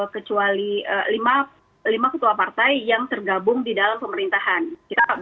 kecuali lima ketua partai yang tergabung di dalam pemerintahan